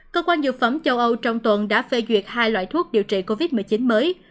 cơ quan dược phẩm châu âu trong tuần đã phê duyệt hai loại thuốc điều trị covid một mươi chín mới